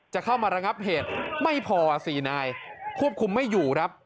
จะเข้ามาระงับเหตุไม่พอ๔นายควบคุมไม่อยู่ครับ